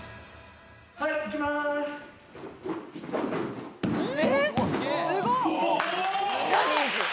はい、行きます。